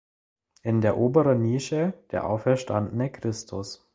In der oberen Nische der auferstandene Christus.